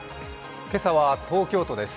今朝は東京都です。